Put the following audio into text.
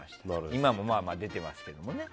今もまあまあ出てますけどね。